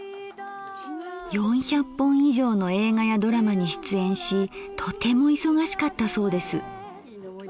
４００本以上の映画やドラマに出演しとても忙しかったそうです。